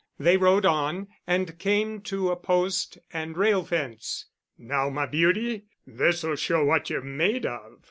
They rode on, and came to a post and rail fence. "Now, my beauty, this'll show what you're made of."